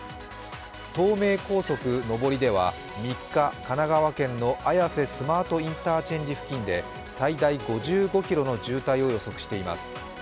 東名高速上りでは３日、神奈川県の綾瀬スマートインターチェンジ付近で最大５５ｋｍの渋滞を予測しています。